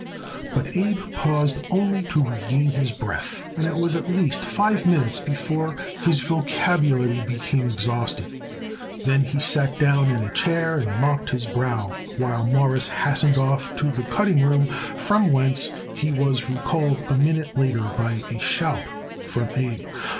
But Abe paused only to regain his breath, and it was at least five minutes more before his vocabulary became exhausted. Then he sat down in a chair and mopped his brow, while Morris hastened off to the cutting room from whence he was recalled a minute later by a shout from Abe.